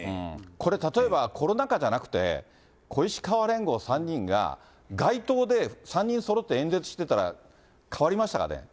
これ、例えばコロナ禍じゃなくて、小石河連合３人が、街頭で３人そろって演説してたら変わりましたかね？